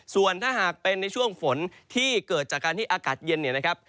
ส่วนถ้าหากเป็นในช่วงฝนที่เกิดจากการที่อากาศเย็นเนี่ยนะครับ